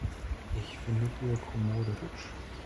Ich finde diese Kommode hübsch.